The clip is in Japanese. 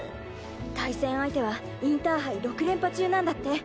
対戦相手はインターハイ６連覇中なんだって！